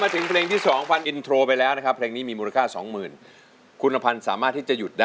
ที่สองมูลค่าสองหมื่นบาท